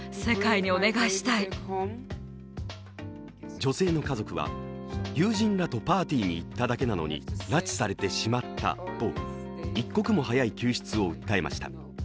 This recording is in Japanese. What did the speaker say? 女性の家族は友人らとパーティーに行っただけなのに拉致されてしまったと一刻も早い救出を訴えました。